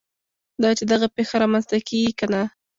دا چې دغه پېښه رامنځته کېږي که نه.